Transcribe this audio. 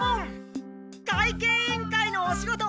会計委員会のお仕事